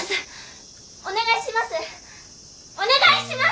お願いします！